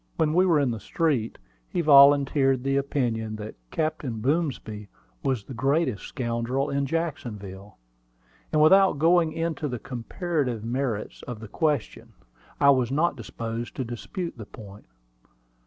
When we were in the street, he volunteered the opinion that Captain Boomsby was the greatest scoundrel in Jacksonville; and without going into the comparative merits of the question, I was not disposed to dispute the point.